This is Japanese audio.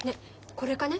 これかね